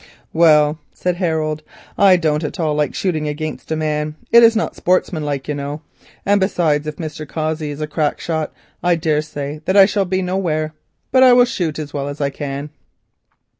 "Well," said Harold, "I don't at all like shooting against a man. It is not sportsmanlike, you know; and, besides, if Mr. Cossey is a crack shot, I daresay that I shall be nowhere; but I will shoot as well as I can."